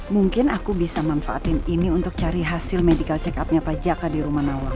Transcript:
mungkin aku bisa manfaatin ini untuk cari hasil medical check up nya pak jaka di rumah nawa